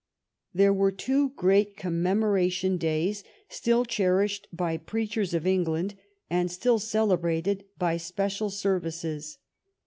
There were two great commemoration days still cherished by preachers in England, and still celebrated by special services.